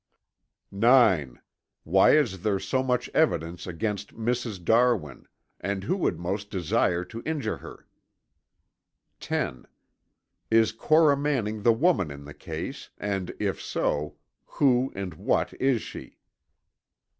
(9) Why is there so much evidence against Mrs. Darwin, and who would most desire to injure her? (10) Is Cora Manning the woman in the case and if so, who and what is she?